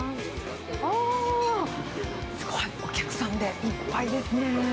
あー、すごい、お客さんでいっぱいですね。